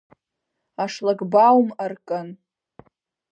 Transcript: Ашлагбаум аркын.